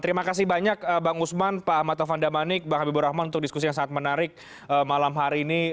terima kasih banyak bang usman pak ahmad taufan damanik bang habibur rahman untuk diskusi yang sangat menarik malam hari ini